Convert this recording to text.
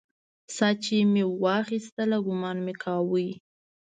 ساه چې مې اخيستله ګومان مې کاوه.